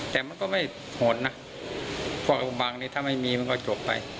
แต่ก็ไม่หล่นนะเคยไปข่าวควบคุมบังซิถ้าไม่มีมันจบไป